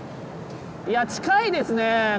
いや近いですね。